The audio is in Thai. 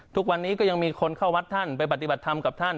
ทุกวันนี้ก็ยังมีคนเข้าวัดท่านไปปฏิบัติธรรมกับท่าน